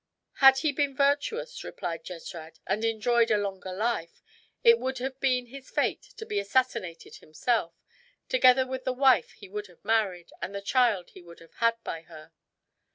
"Had he been virtuous," replied Jesrad, "and enjoyed a longer life, it would have been his fate to be assassinated himself, together with the wife he would have married, and the child he would have had by her."